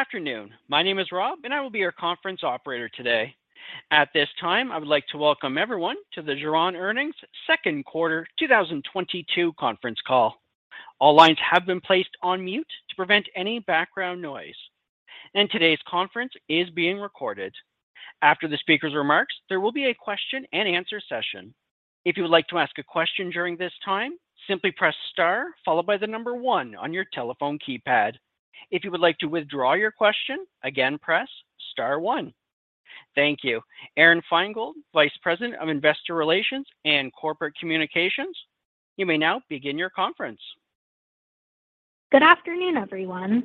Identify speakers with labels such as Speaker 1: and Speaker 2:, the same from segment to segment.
Speaker 1: Good afternoon. My name is Rob, and I will be your conference operator today. At this time, I would like to welcome everyone to the Geron earnings second quarter 2022 conference call. All lines have been placed on mute to prevent any background noise, and today's conference is being recorded. After the speaker's remarks, there will be a question-and-answer session. If you would like to ask a question during this time, simply press star followed by the number one on your telephone keypad. If you would like to withdraw your question, again, press star one. Thank you. Aron Feingold, Vice President of Investor Relations and Corporate Communications, you may now begin your conference.
Speaker 2: Good afternoon, everyone.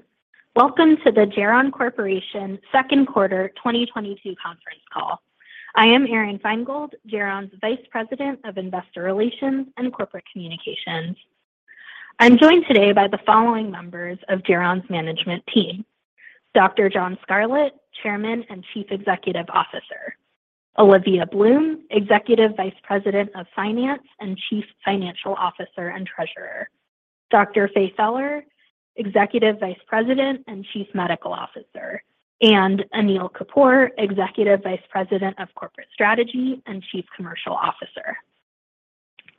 Speaker 2: Welcome to the Geron Corporation second quarter 2022 conference call. I am Aron Feingold, Geron's Vice President of Investor Relations and Corporate Communications. I'm joined today by the following members of Geron's management team. Dr. John Scarlett, Chairman and Chief Executive Officer. Olivia Bloom, Executive Vice President of Finance and Chief Financial Officer and Treasurer. Dr. Faye Feller, Executive Vice President and Chief Medical Officer. And Anil Kapur, Executive Vice President of Corporate Strategy and Chief Commercial Officer.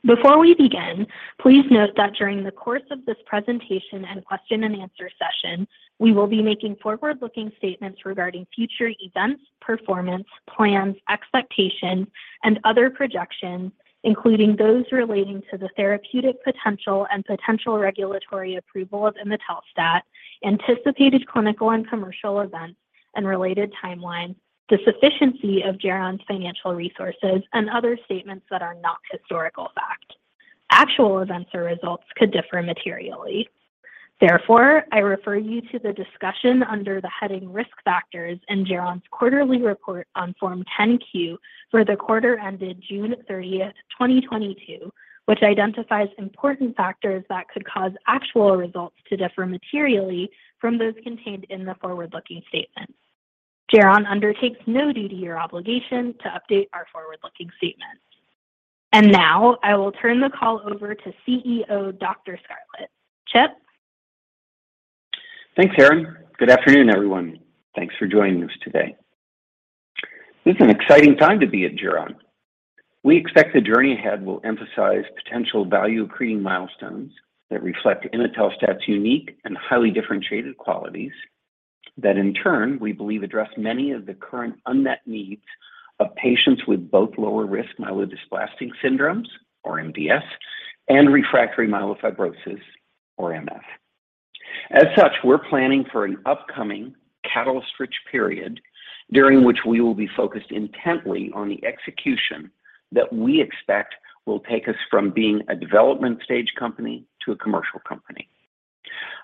Speaker 2: Before we begin, please note that during the course of this presentation and question-and-answer session, we will be making forward-looking statements regarding future events, performance, plans, expectations, and other projections, including those relating to the therapeutic potential and potential regulatory approval of imetelstat, anticipated clinical and commercial events and related timelines, the sufficiency of Geron's financial resources, and other statements that are not historical fact. Actual events or results could differ materially. Therefore, I refer you to the discussion under the heading Risk Factors in Geron's quarterly report on Form 10-Q for the quarter ended June 30, 2022, which identifies important factors that could cause actual results to differ materially from those contained in the forward-looking statements. Geron undertakes no duty or obligation to update our forward-looking statements. Now I will turn the call over to CEO Dr. Scarlett. Chip.
Speaker 3: Thanks, Aron Feingold. Good afternoon, everyone. Thanks for joining us today. This is an exciting time to be at Geron. We expect the journey ahead will emphasize potential value-creating milestones that reflect imetelstat's unique and highly differentiated qualities that in turn we believe address many of the current unmet needs of patients with both lower risk myelodysplastic syndromes, or MDS, and refractory myelofibrosis, or MF. We're planning for an upcoming catalyst-rich period during which we will be focused intently on the execution that we expect will take us from being a development stage company to a commercial company.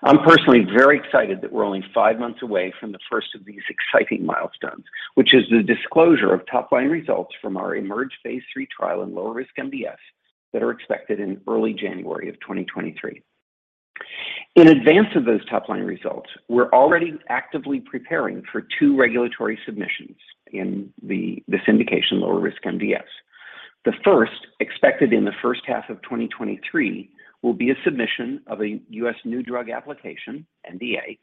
Speaker 3: I'm personally very excited that we're only five months away from the first of these exciting milestones, which is the disclosure of top-line results from our IMerge phase 3 trial in lower risk MDS that are expected in early January of 2023. In advance of those top-line results, we're already actively preparing for two regulatory submissions in this indication, lower risk MDS. The first, expected in the first half of 2023, will be a submission of a U.S. new drug application, NDA.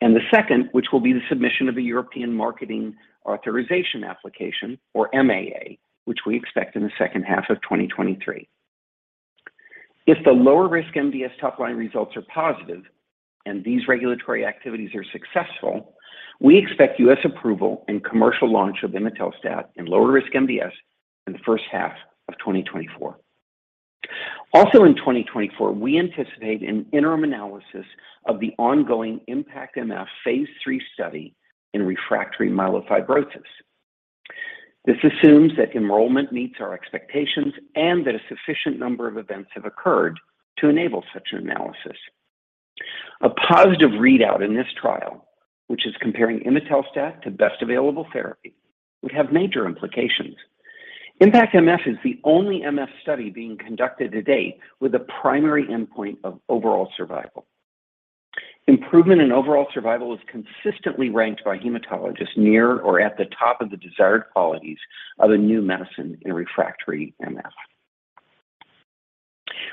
Speaker 3: The second, which will be the submission of a European Marketing Authorization Application, or MAA, which we expect in the second half of 2023. If the lower risk MDS top-line results are positive and these regulatory activities are successful, we expect U.S. approval and commercial launch of imetelstat in lower risk MDS in the first half of 2024. Also in 2024, we anticipate an interim analysis of the ongoing IMpactMF phase 3 study in refractory myelofibrosis. This assumes that enrollment meets our expectations and that a sufficient number of events have occurred to enable such an analysis. A positive readout in this trial, which is comparing imetelstat to best available therapy, would have major implications. IMpactMF is the only MF study being conducted to date with a primary endpoint of overall survival. Improvement in overall survival is consistently ranked by hematologists near or at the top of the desired qualities of a new medicine in refractory MF.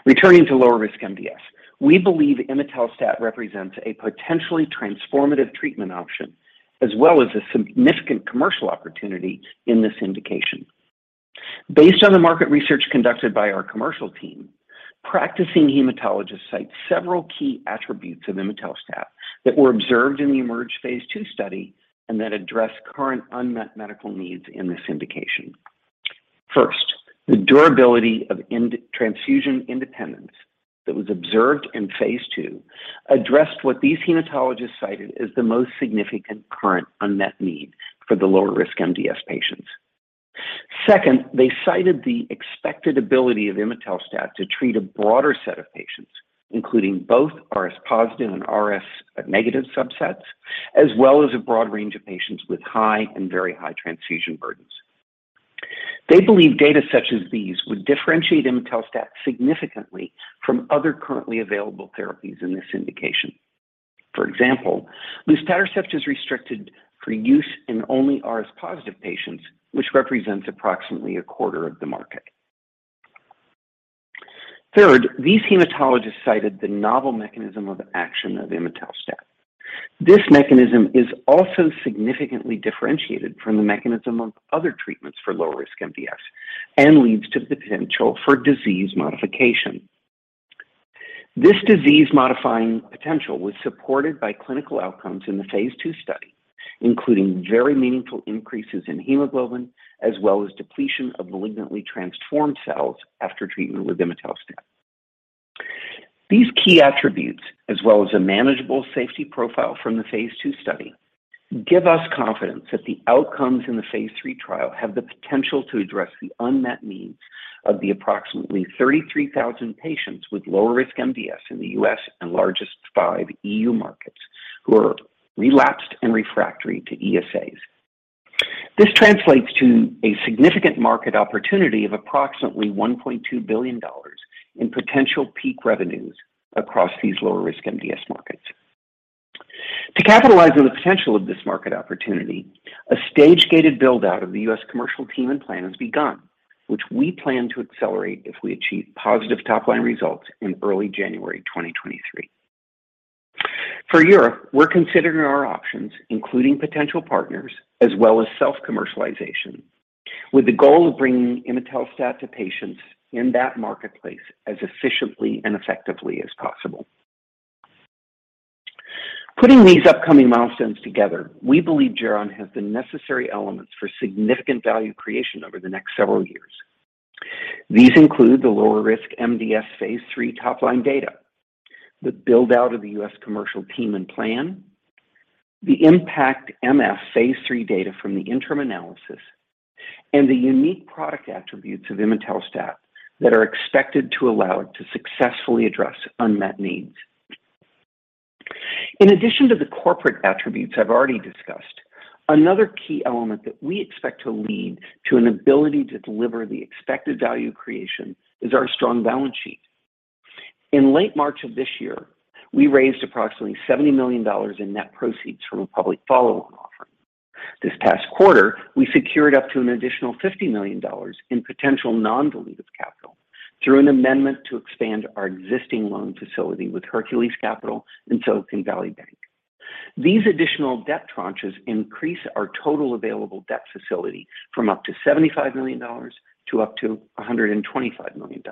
Speaker 3: Returning to lower risk MDS, we believe imetelstat represents a potentially transformative treatment option as well as a significant commercial opportunity in this indication. Based on the market research conducted by our commercial team, practicing hematologists cite several key attributes of imetelstat that were observed in the IMerge phase 2 study and that address current unmet medical needs in this indication. First, the durability of transfusion independence that was observed in phase 2 addressed what these hematologists cited as the most significant current unmet need for the lower risk MDS patients. Second, they cited the expected ability of imetelstat to treat a broader set of patients, including both RS positive and RS negative subsets, as well as a broad range of patients with high and very high transfusion burdens. They believe data such as these would differentiate imetelstat significantly from other currently available therapies in this indication. For example, luspatercept is restricted for use in only RS positive patients, which represents approximately a quarter of the market. Third, these hematologists cited the novel mechanism of action of imetelstat. This mechanism is also significantly differentiated from the mechanism of other treatments for lower risk MDS and leads to the potential for disease modification. This disease-modifying potential was supported by clinical outcomes in the phase 2 study, including very meaningful increases in hemoglobin as well as depletion of malignantly transformed cells after treatment with imetelstat. These key attributes, as well as a manageable safety profile from the phase 2 study, give us confidence that the outcomes in the phase 3 trial have the potential to address the unmet needs of the approximately 33,000 patients with lower-risk MDS in the U.S. and largest five EU markets who are relapsed and refractory to ESAs. This translates to a significant market opportunity of approximately $1.2 billion in potential peak revenues across these lower-risk MDS markets. To capitalize on the potential of this market opportunity, a stage-gated build-out of the U.S. commercial team and plan has begun, which we plan to accelerate if we achieve positive top-line results in early January 2023. For Europe, we're considering our options, including potential partners as well as self-commercialization, with the goal of bringing imetelstat to patients in that marketplace as efficiently and effectively as possible. Putting these upcoming milestones together, we believe Geron has the necessary elements for significant value creation over the next several years. These include the lower-risk MDS Phase 3 top-line data, the build-out of the U.S. commercial team and plan, the IMpactMF Phase 3 data from the interim analysis, and the unique product attributes of imetelstat that are expected to allow it to successfully address unmet needs. In addition to the corporate attributes I've already discussed, another key element that we expect to lead to an ability to deliver the expected value creation is our strong balance sheet. In late March of this year, we raised approximately $70 million in net proceeds from a public follow-on offering. This past quarter, we secured up to an additional $50 million in potential non-dilutive capital through an amendment to expand our existing loan facility with Hercules Capital and Silicon Valley Bank. These additional debt tranches increase our total available debt facility from up to $75 million to up to $125 million.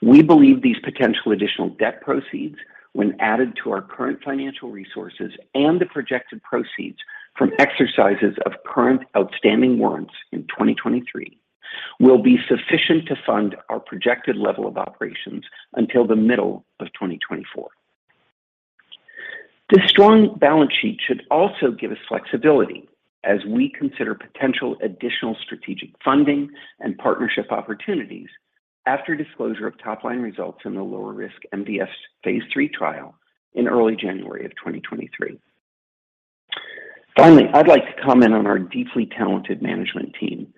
Speaker 3: We believe these potential additional debt proceeds, when added to our current financial resources and the projected proceeds from exercises of current outstanding warrants in 2023, will be sufficient to fund our projected level of operations until the middle of 2024. This strong balance sheet should also give us flexibility as we consider potential additional strategic funding and partnership opportunities after disclosure of top-line results in the lower-risk MDS phase 3 trial in early January of 2023. Finally, I'd like to comment on our deeply talented management team.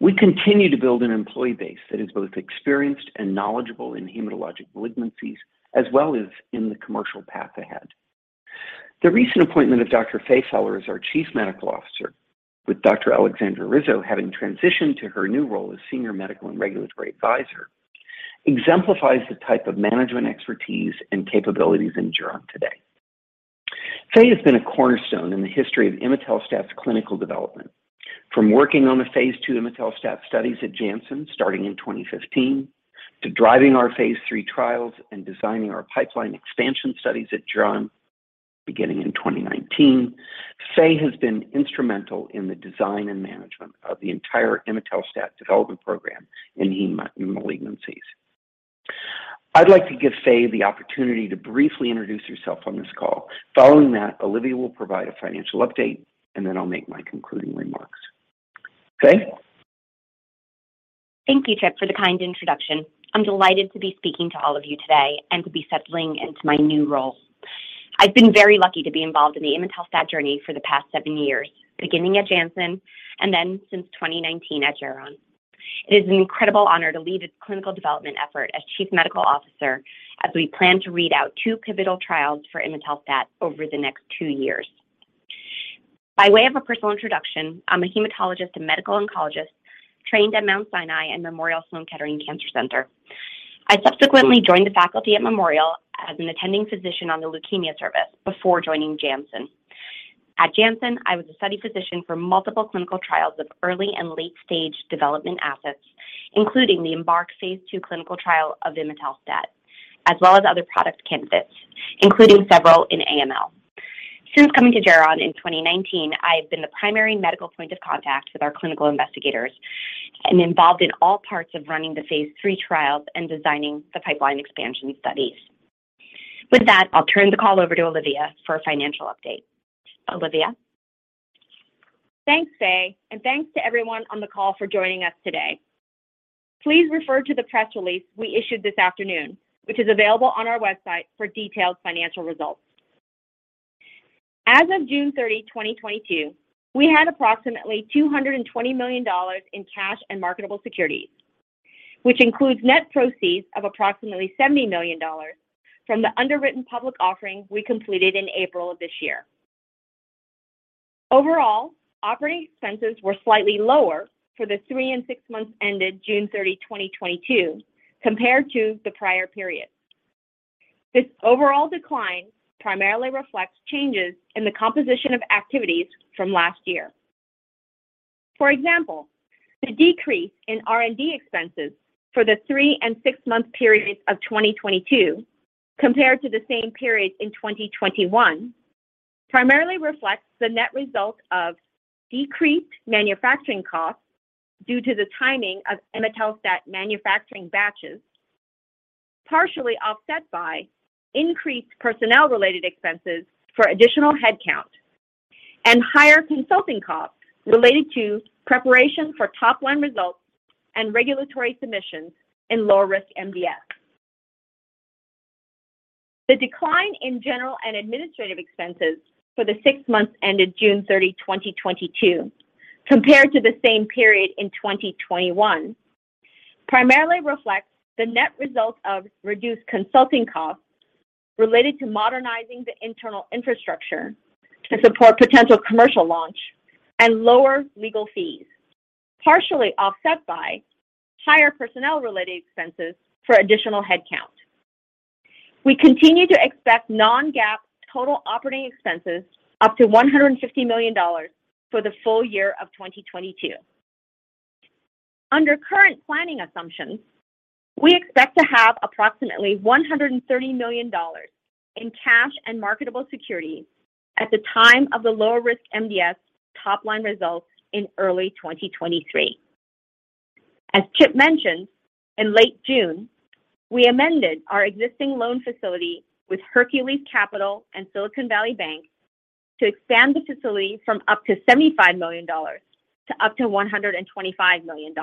Speaker 3: We continue to build an employee base that is both experienced and knowledgeable in hematologic malignancies as well as in the commercial path ahead. The recent appointment of Dr. Faye Feller as our Chief Medical Officer with Dr. Aleksandra Rizo having transitioned to her new role as Senior Medical and Regulatory Advisor exemplifies the type of management expertise and capabilities in Geron today. Faye has been a cornerstone in the history of imetelstat's clinical development. From working on the Phase 2 imetelstat studies at Janssen starting in 2015 to driving our Phase 3 trials and designing our pipeline expansion studies at Geron beginning in 2019, Faye has been instrumental in the design and management of the entire imetelstat development program in hematologic malignancies. I'd like to give Faye the opportunity to briefly introduce herself on this call. Following that, Olivia will provide a financial update, and then I'll make my concluding remarks. Faye?
Speaker 4: Thank you, Chip, for the kind introduction. I'm delighted to be speaking to all of you today and to be settling into my new role. I've been very lucky to be involved in the imetelstat journey for the past seven years, beginning at Janssen and then since 2019 at Geron. It is an incredible honor to lead its clinical development effort as Chief Medical Officer as we plan to read out two pivotal trials for imetelstat over the next two years. By way of a personal introduction, I'm a hematologist and medical oncologist trained at Mount Sinai and Memorial Sloan Kettering Cancer Center. I subsequently joined the faculty at Memorial as an attending physician on the leukemia service before joining Janssen. At Janssen, I was a study physician for multiple clinical trials of early and late-stage development assets, including the IMbark Phase 2 clinical trial of imetelstat, as well as other product candidates, including several in AML. Since coming to Geron in 2019, I have been the primary medical point of contact with our clinical investigators and involved in all parts of running the Phase 3 trials and designing the pipeline expansion studies. With that, I'll turn the call over to Olivia for a financial update. Olivia?
Speaker 5: Thanks, Faye, and thanks to everyone on the call for joining us today. Please refer to the press release we issued this afternoon, which is available on our website for detailed financial results. As of June 30, 2022, we had approximately $220 million in cash and marketable securities, which includes net proceeds of approximately $70 million from the underwritten public offering we completed in April of this year. Overall, operating expenses were slightly lower for the three and six months ended June 30, 2022 compared to the prior period. This overall decline primarily reflects changes in the composition of activities from last year. For example, the decrease in R&D expenses for the three and six-month periods of 2022 compared to the same period in 2021 primarily reflects the net result of decreased manufacturing costs due to the timing of imetelstat manufacturing batches, partially offset by increased personnel related expenses for additional headcount and higher consulting costs related to preparation for top-line results and regulatory submissions in lower risk MDS. The decline in general and administrative expenses for the six months ended June 30, 2022 compared to the same period in 2021 primarily reflects the net result of reduced consulting costs related to modernizing the internal infrastructure to support potential commercial launch and lower legal fees, partially offset by higher personnel related expenses for additional headcount. We continue to expect non-GAAP total operating expenses up to $150 million for the full year of 2022. Under current planning assumptions, we expect to have approximately $130 million in cash and marketable securities at the time of the lower risk MDS top-line results in early 2023. As Chip mentioned, in late June, we amended our existing loan facility with Hercules Capital and Silicon Valley Bank to expand the facility from up to $75 million to up to $125 million.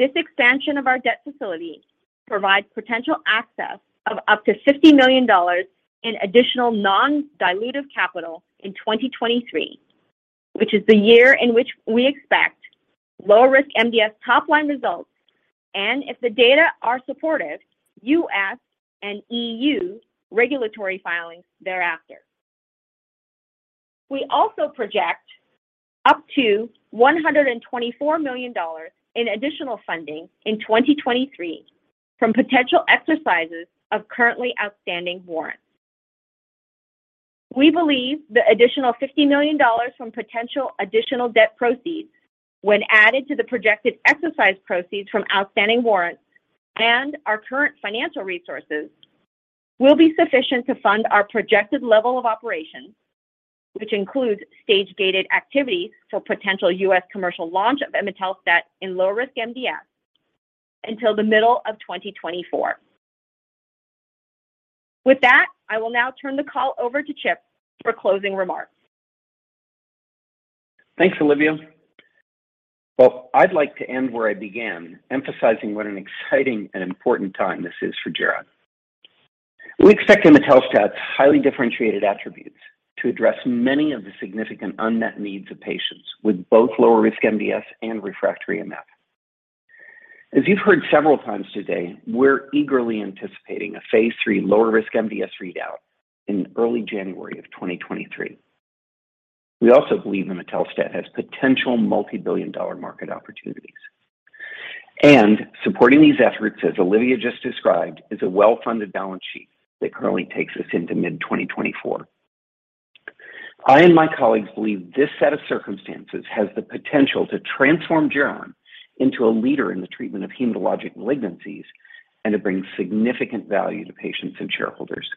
Speaker 5: This expansion of our debt facility provides potential access of up to $50 million in additional non-dilutive capital in 2023, which is the year in which we expect lower risk MDS top-line results, and if the data are supportive, US and EU regulatory filings thereafter. We also project up to $124 million in additional funding in 2023 from potential exercises of currently outstanding warrants. We believe the additional $50 million from potential additional debt proceeds when added to the projected exercise proceeds from outstanding warrants and our current financial resources will be sufficient to fund our projected level of operations, which includes stage-gated activities for potential U.S. commercial launch of imetelstat in lower risk MDS until the middle of 2024. With that, I will now turn the call over to Chip for closing remarks.
Speaker 3: Thanks, Olivia. Well, I'd like to end where I began, emphasizing what an exciting and important time this is for Geron. We expect imetelstat's highly differentiated attributes to address many of the significant unmet needs of patients with both lower risk MDS and refractory MF. As you've heard several times today, we're eagerly anticipating a phase three lower risk MDS readout in early January 2023. We also believe imetelstat has potential multi-billion dollar market opportunities. Supporting these efforts, as Olivia just described, is a well-funded balance sheet that currently takes us into mid-2024. I and my colleagues believe this set of circumstances has the potential to transform Geron into a leader in the treatment of hematologic malignancies and to bring significant value to patients and shareholders.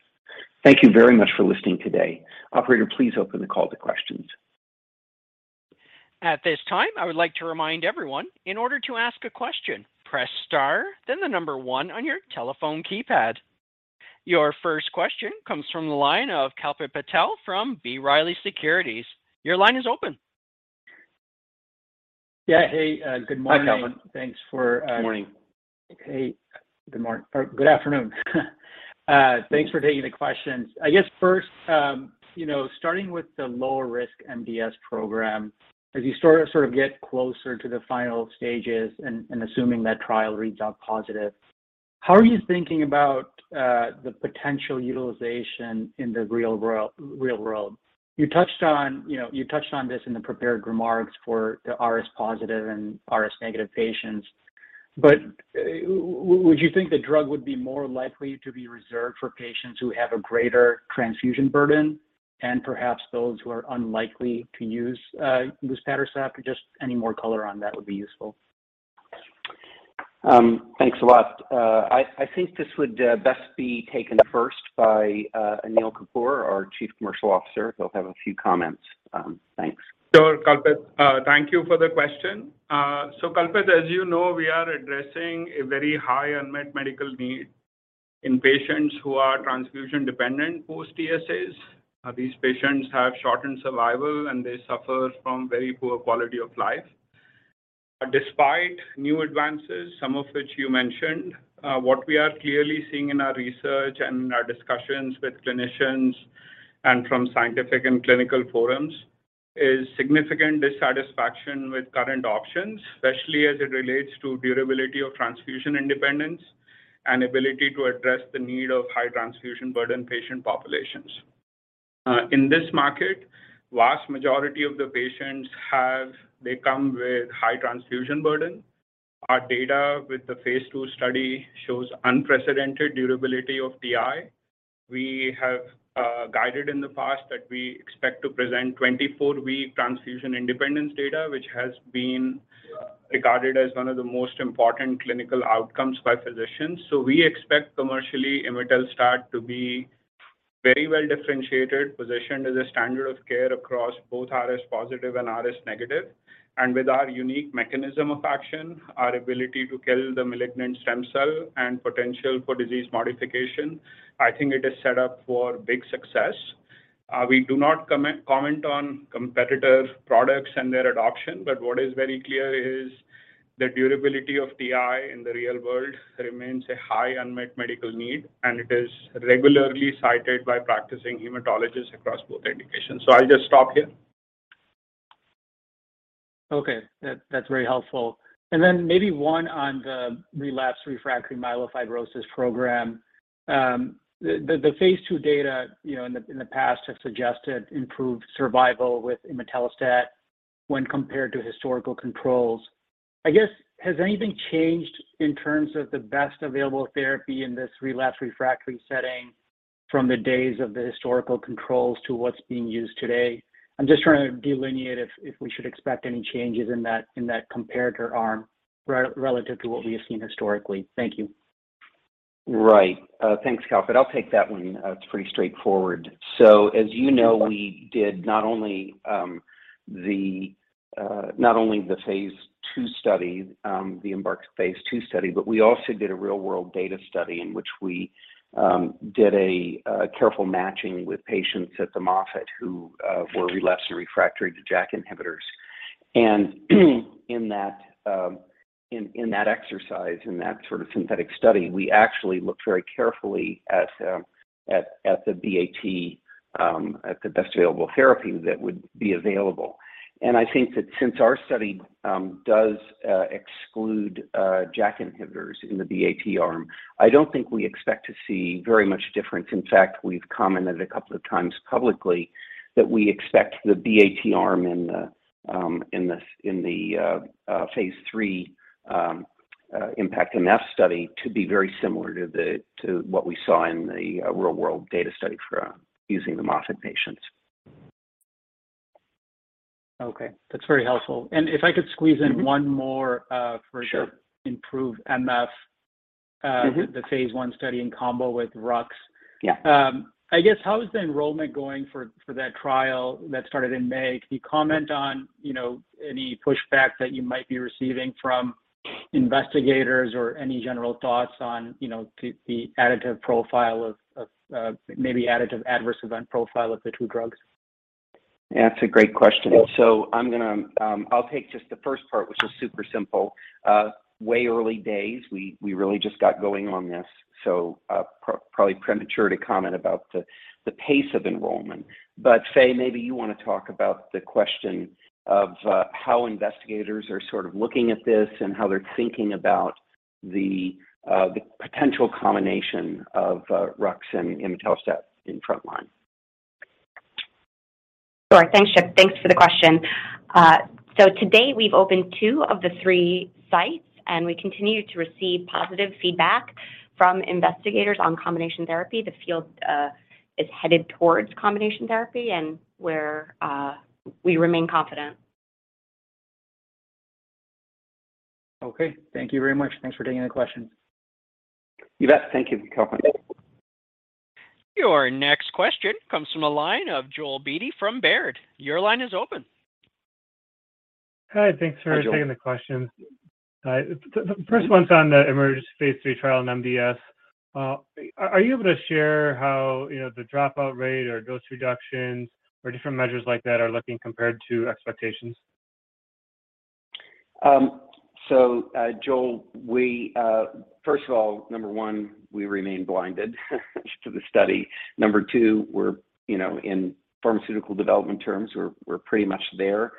Speaker 3: Thank you very much for listening today. Operator, please open the call to questions.
Speaker 1: At this time, I would like to remind everyone in order to ask a question, press star, then the number 1 on your telephone keypad. Your first question comes from the line of Kalpit Patel from B. Riley Securities. Your line is open.
Speaker 6: Yeah. Hey, good morning.
Speaker 3: Hi, Kalpit.
Speaker 6: Thanks for
Speaker 3: Good morning.
Speaker 6: Hey, good morning. Or good afternoon. Thanks for taking the questions. I guess first, you know, starting with the lower risk MDS program, as you start to sort of get closer to the final stages and assuming that trial reads out positive, how are you thinking about the potential utilization in the real world? You touched on, you know, you touched on this in the prepared remarks for the RS positive and RS negative patients, but would you think the drug would be more likely to be reserved for patients who have a greater transfusion burden and perhaps those who are unlikely to use luspatercept? Or just any more color on that would be useful.
Speaker 3: Thanks a lot. I think this would best be taken first by Anil Kapur, our Chief Commercial Officer. He'll have a few comments. Thanks.
Speaker 7: Sure, Kalpit. Thank you for the question. Kalpit, as you know, we are addressing a very high unmet medical need in patients who are transfusion-dependent post-ESAs. These patients have shortened survival, and they suffer from very poor quality of life. Despite new advances, some of which you mentioned, what we are clearly seeing in our research and in our discussions with clinicians and from scientific and clinical forums is significant dissatisfaction with current options, especially as it relates to durability of transfusion independence. Ability to address the need of high transfusion burden patient populations. In this market, vast majority of the patients they come with high transfusion burden. Our data with the phase 2 study shows unprecedented durability of TI. We have guided in the past that we expect to present 24-week transfusion independence data, which has been regarded as one of the most important clinical outcomes by physicians. We expect commercially imetelstat to be very well-differentiated, positioned as a standard of care across both RS positive and RS negative. With our unique mechanism of action, our ability to kill the malignant stem cell and potential for disease modification, I think it is set up for big success. We do not comment on competitor products and their adoption, but what is very clear is the durability of TI in the real world remains a high unmet medical need, and it is regularly cited by practicing hematologists across both indications. I'll just stop here.
Speaker 6: Okay. That's very helpful. Then maybe one on the relapsed refractory myelofibrosis program. The phase 2 data, you know, in the past has suggested improved survival with imetelstat when compared to historical controls. I guess, has anything changed in terms of the best available therapy in this relapsed refractory setting from the days of the historical controls to what's being used today? I'm just trying to delineate if we should expect any changes in that comparator arm relative to what we have seen historically. Thank you.
Speaker 3: Right. Thanks, Kalpit. I'll take that one. It's pretty straightforward. As you know, we did not only the IMerge phase two study, but we also did a real-world data study in which we did a careful matching with patients at the Moffitt who were relapsed and refractory to JAK inhibitors. In that exercise, in that sort of synthetic study, we actually looked very carefully at the BAT, at the best available therapy that would be available. I think that since our study does exclude JAK inhibitors in the BAT arm, I don't think we expect to see very much difference. In fact, we've commented a couple of times publicly that we expect the BAT arm in the phase 3 IMpactMF study to be very similar to what we saw in the real-world data study for using the Moffitt patients.
Speaker 6: Okay. That's very helpful. If I could squeeze in one more,
Speaker 3: Sure.
Speaker 6: for the IMproveMF
Speaker 3: Mm-hmm.
Speaker 6: the phase 1 study in combo with ruxolitinib.
Speaker 3: Yeah.
Speaker 6: I guess how is the enrollment going for that trial that started in May? Could you comment on, you know, any pushback that you might be receiving from investigators or any general thoughts on, you know, the additive profile of maybe additive adverse event profile of the two drugs?
Speaker 3: That's a great question. I'm gonna, I'll take just the first part, which is super simple. Way early days, we really just got going on this, so probably premature to comment about the pace of enrollment. Faye, maybe you wanna talk about the question of how investigators are sort of looking at this and how they're thinking about the potential combination of ruxolitinib and imetelstat in frontline.
Speaker 4: Sure. Thanks, Chip. Thanks for the question. To date, we've opened 2 of the 3 sites, and we continue to receive positive feedback from investigators on combination therapy. The field is headed towards combination therapy, and we remain confident.
Speaker 6: Okay. Thank you very much. Thanks for taking the question.
Speaker 3: You bet. Thank you, Kalpit.
Speaker 1: Your next question comes from the line of Joel Beatty from Baird. Your line is open.
Speaker 8: Hi.
Speaker 3: Hi, Joel.
Speaker 8: taking the questions. The first one's on the IMerge Phase 3 trial in MDS. Are you able to share how, you know, the dropout rate or dose reductions or different measures like that are looking compared to expectations?
Speaker 3: Joel, we first of all, number one, we remain blinded to the study. Number two, we're, you know, in pharmaceutical development terms, we're pretty much there.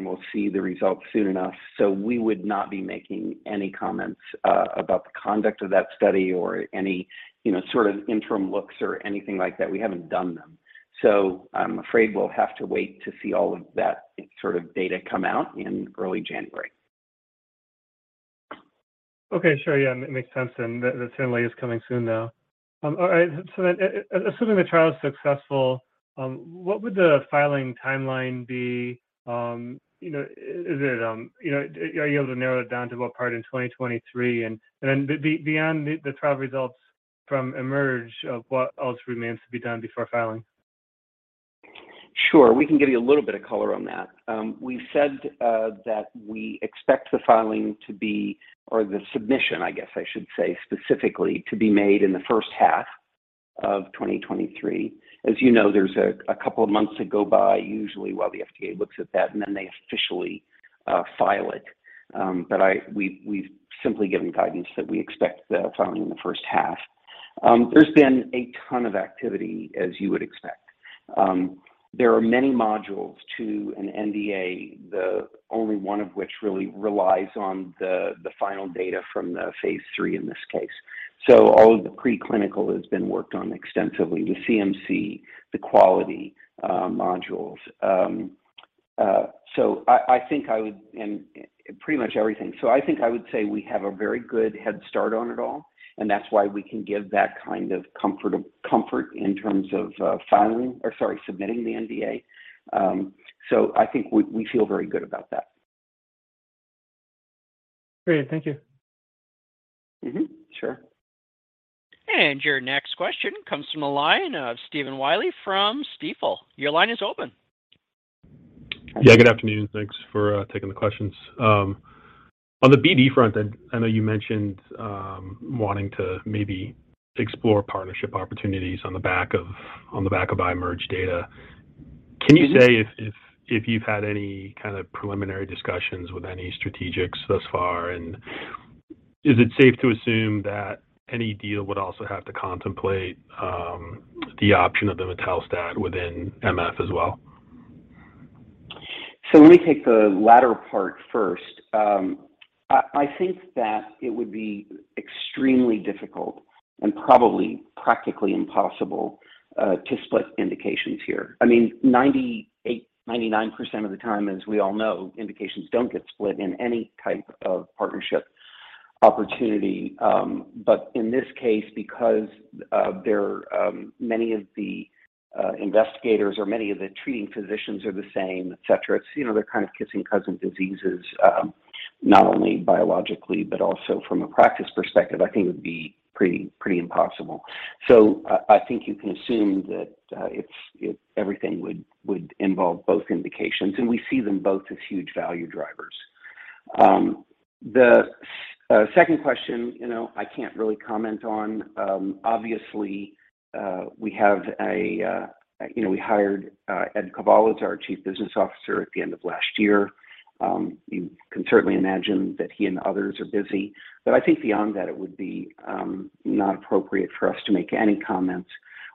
Speaker 3: We'll see the results soon enough. We would not be making any comments about the conduct of that study or any, you know, sort of interim looks or anything like that. We haven't done them. I'm afraid we'll have to wait to see all of that sort of data come out in early January.
Speaker 8: Okay. Sure. Yeah. It makes sense, and the topline is coming soon, though. Assuming the trial is successful, what would the filing timeline be? You know, are you able to narrow it down to what part in 2023? Beyond the trial results from IMerge, what else remains to be done before filing?
Speaker 3: Sure. We can give you a little bit of color on that. We've said that we expect the filing to be, or the submission, I guess I should say, specifically to be made in the first half of 2023. As you know, there's a couple of months that go by usually while the FDA looks at that, and then they officially file it. We've simply given guidance that we expect the filing in the first half. There's been a ton of activity, as you would expect. There are many modules to an NDA, the only one of which really relies on the final data from the phase 3 in this case. All of the preclinical has been worked on extensively, the CMC, the quality modules. I think I would pretty much everything. I think I would say we have a very good head start on it all, and that's why we can give that kind of comfort in terms of filing or, sorry, submitting the NDA. I think we feel very good about that.
Speaker 8: Great. Thank you.
Speaker 3: Mm-hmm. Sure.
Speaker 1: Your next question comes from the line of Stephen Douglas Willey from Stifel. Your line is open.
Speaker 9: Yeah, good afternoon. Thanks for taking the questions. On the BD front, I know you mentioned wanting to maybe explore partnership opportunities on the back of IMerge data.
Speaker 3: Mm-hmm.
Speaker 9: Can you say if you've had any kind of preliminary discussions with any strategics thus far? Is it safe to assume that any deal would also have to contemplate the option of imetelstat within MF as well?
Speaker 3: Let me take the latter part first. I think that it would be extremely difficult and probably practically impossible to split indications here. I mean, 98%-99% of the time, as we all know, indications don't get split in any type of partnership opportunity. In this case, because there many of the investigators or many of the treating physicians are the same, et cetera, it's, you know, they're kind of kissing cousin diseases, not only biologically, but also from a practice perspective. I think it would be pretty impossible. I think you can assume that it everything would involve both indications, and we see them both as huge value drivers. The second question, you know, I can't really comment on. Obviously, you know, we hired Joseph Eid, our chief business officer, at the end of last year. You can certainly imagine that he and others are busy. I think beyond that it would be not appropriate for us to make any comments.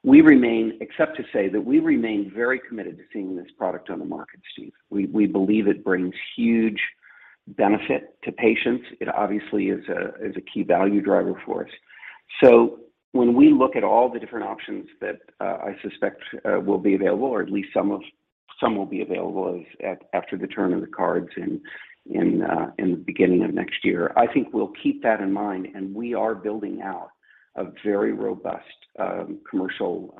Speaker 3: Except to say that we remain very committed to seeing this product on the market, Steve. We believe it brings huge benefit to patients. It obviously is a key value driver for us. When we look at all the different options that I suspect will be available or at least some will be available after the turn of the year in the beginning of next year, I think we'll keep that in mind, and we are building out a very robust commercial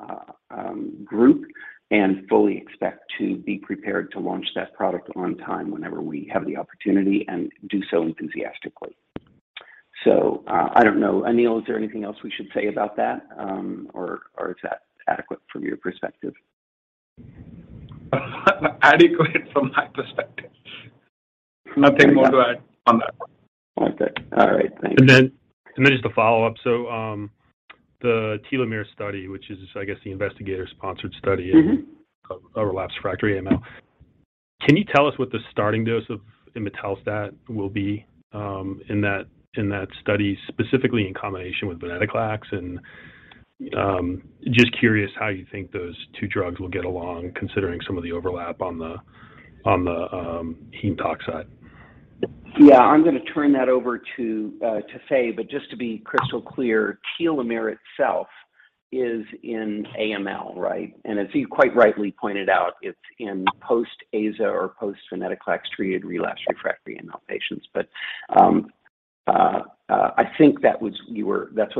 Speaker 3: group and fully expect to be prepared to launch that product on time whenever we have the opportunity and do so enthusiastically. I don't know. Anil, is there anything else we should say about that? Or is that adequate from your perspective?
Speaker 7: Adequate from my perspective. Nothing more to add on that one.
Speaker 3: Okay. All right. Thanks.
Speaker 9: Just a follow-up. The Telomere study, which is just, I guess the investigator-sponsored study.
Speaker 3: Mm-hmm...
Speaker 9: of relapsed/refractory AML, can you tell us what the starting dose of imetelstat will be in that study, specifically in combination with venetoclax? Just curious how you think those two drugs will get along considering some of the overlap on the heme tox side.
Speaker 3: I'm gonna turn that over to Faye, but just to be crystal clear, Telomere itself is in AML, right? As you quite rightly pointed out, it's in post-Aza or post-venetoclax-treated relapsed/refractory AML patients. I think that's what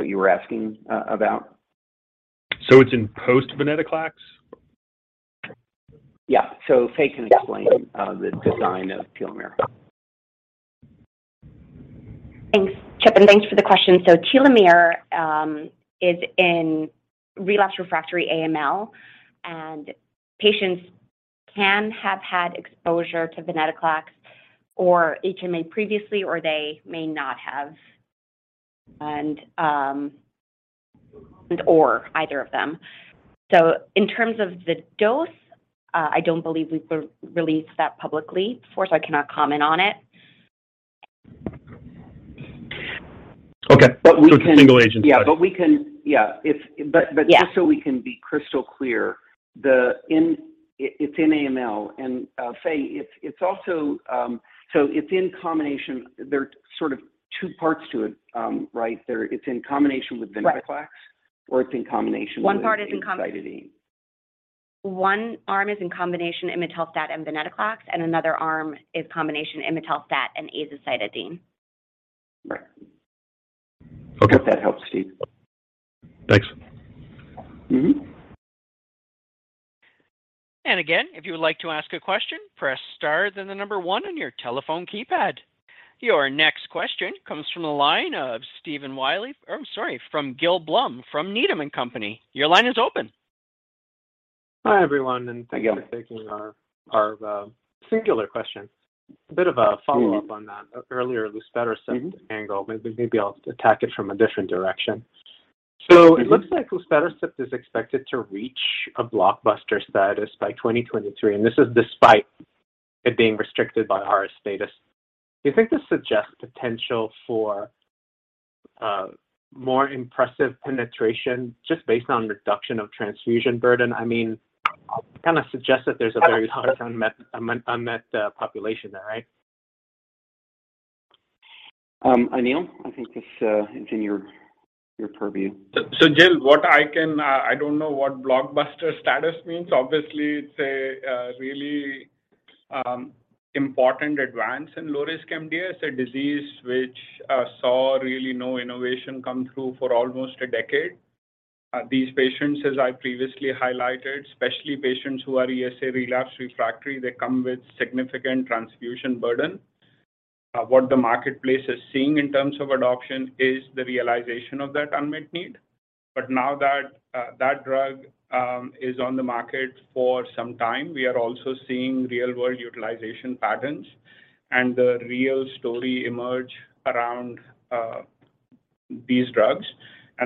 Speaker 3: you were asking about.
Speaker 9: It's in post-venetoclax?
Speaker 3: Faye can explain the design of Telomere.
Speaker 4: Thanks, Chip, and thanks for the question. Telomere is in relapsed/refractory AML, and patients can have had exposure to venetoclax or HMA previously, or they may not have, and or either of them. In terms of the dose, I don't believe we've released that publicly before, so I cannot comment on it.
Speaker 9: Okay.
Speaker 3: But we can-
Speaker 9: It's a single agent study.
Speaker 3: Just so we can be crystal clear, it's in AML and, Faye, it's also so it's in combination. There are sort of two parts to it, right? It's in combination with venetoclax.
Speaker 4: Right
Speaker 3: It's in combination with azacitidine.
Speaker 4: One arm is in combination imetelstat and venetoclax, and another arm is combination imetelstat and azacitidine.
Speaker 3: Right.
Speaker 9: Okay.
Speaker 3: Hope that helps, Steve.
Speaker 9: Thanks.
Speaker 3: Mm-hmm.
Speaker 1: Again, if you would like to ask a question, press star, then the number 1 on your telephone keypad. Your next question comes from the line of Stephen Douglas Willey. I'm sorry, from Gil Joseph Blum from Needham & Company. Your line is open.
Speaker 10: Hi, everyone.
Speaker 3: Hi, Gil
Speaker 10: Thank you for taking our singular question. A bit of a follow-up.
Speaker 3: Mm-hmm
Speaker 10: on that earlier luspatercept angle. Maybe I'll attack it from a different direction.
Speaker 3: Mm-hmm.
Speaker 10: It looks like luspatercept is expected to reach a blockbuster status by 2023, and this is despite it being restricted by RS status. Do you think this suggests potential for more impressive penetration just based on reduction of transfusion burden? I mean, kind of suggests that there's a very large unmet population there, right?
Speaker 3: Anil, I think this is in your purview.
Speaker 7: Gil, I don't know what blockbuster status means. Obviously, it's a really important advance in low-risk MDS, a disease which saw really no innovation come through for almost a decade. These patients, as I previously highlighted, especially patients who are ESA relapsed refractory, they come with significant transfusion burden. What the marketplace is seeing in terms of adoption is the realization of that unmet need. Now that that drug is on the market for some time, we are also seeing real-world utilization patterns and the real story emerge around these drugs.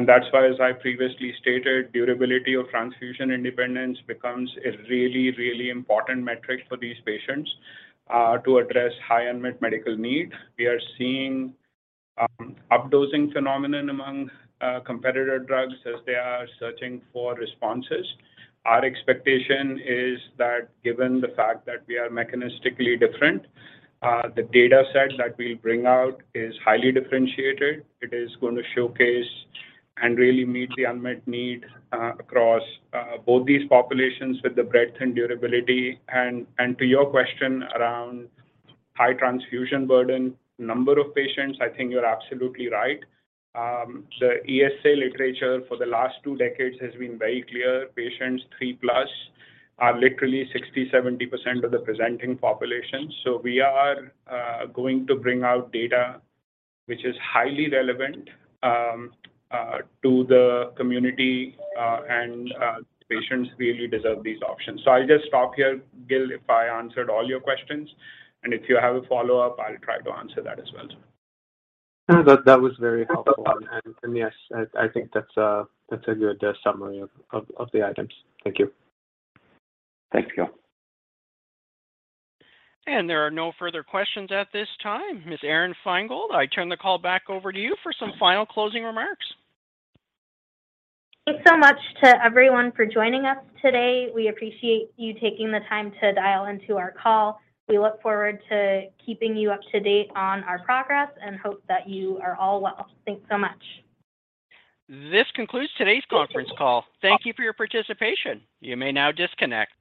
Speaker 7: That's why, as I previously stated, durability of transfusion independence becomes a really, really important metric for these patients to address high unmet medical need. We are seeing up-dosing phenomenon among competitor drugs as they are searching for responses. Our expectation is that given the fact that we are mechanistically different, the dataset that we bring out is highly differentiated. It is going to showcase and really meet the unmet need across both these populations with the breadth and durability. To your question around high transfusion burden, number of patients, I think you're absolutely right. The ESA literature for the last two decades has been very clear. Patients 3+ are literally 60%-70% of the presenting population. We are going to bring out data which is highly relevant to the community and patients really deserve these options. I'll just stop here, Gil, if I answered all your questions, and if you have a follow-up, I'll try to answer that as well.
Speaker 10: No, that was very helpful. Yes, I think that's a good summary of the items. Thank you.
Speaker 7: Thanks, Gil.
Speaker 1: There are no further questions at this time. Ms. Aron Feingold, I turn the call back over to you for some final closing remarks.
Speaker 2: Thanks so much to everyone for joining us today. We appreciate you taking the time to dial into our call. We look forward to keeping you up to date on our progress and hope that you are all well. Thanks so much.
Speaker 1: This concludes today's conference call. Thank you for your participation. You may now disconnect.